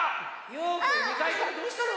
ゆうくん２かいからどうしたの？